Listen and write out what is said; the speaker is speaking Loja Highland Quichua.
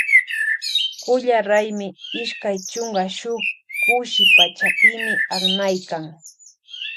Kulla raymi ishkay chunka shuk kuski pachapimi aknaykan.